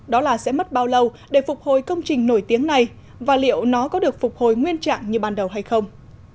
đó là sẽ mất bao lâu để phục hồi công trình nổi tiếng này và liệu nó có được phục hồi nguyên trạng như ban đầu hay không